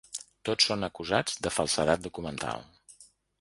Tots són acusats de falsedat documental.